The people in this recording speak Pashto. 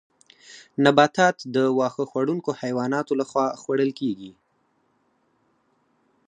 نباتات د واښه خوړونکو حیواناتو لخوا خوړل کیږي